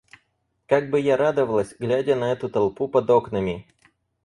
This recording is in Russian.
Как бы я радовалась, глядя на эту толпу под окнами!